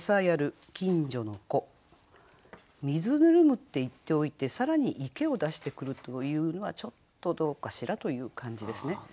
「水温む」って言っておいて更に「池」を出してくるというのはちょっとどうかしらという感じですね。